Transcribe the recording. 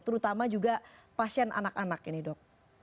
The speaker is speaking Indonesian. terutama juga pasien anak anak ini dok